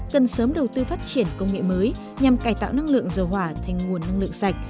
cần sớm đầu tư phát triển công nghệ mới nhằm cải tạo năng lượng dầu hỏa thành nguồn năng lượng sạch